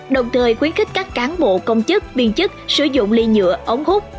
đồng thời khuyến khích các cán bộ công chức viên chức sử dụng ly nhựa ống hút